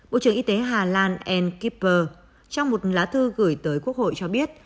bộ trưởng y tế hà lan en kipper trong một lá thư gửi tới quốc hội cho biết